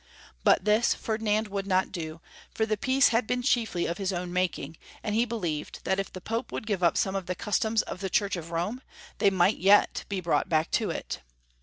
But this Ferdinand would not do, for the peace 300 Ferdinand T. SOI hs\d been chiefly of his own making, iind lie believed that if the Pope would give up aome of the customs of the Chui'ch of Rome they might yet be brought back to , it.